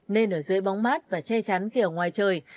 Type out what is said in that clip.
nên ở dưới bóng mát và che chắn khi ở ngoài trời